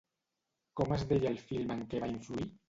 Com es deia el film en què va influir?